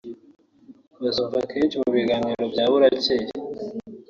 bazumva kenshi mu biganiro bya burakeye